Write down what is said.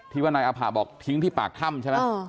ว่านายอาผะบอกทิ้งที่ปากถ้ำใช่ไหม